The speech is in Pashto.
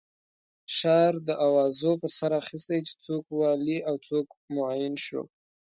ښار د اوازو پر سر اخستی چې څوک والي او څوک معین شو.